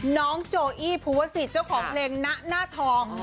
โจอี้ภูวะสิทธิ์เจ้าของเพลงณหน้าทอง